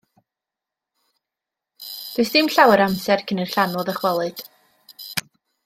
Does dim llawer o amser cyn i'r llanw ddychwelyd.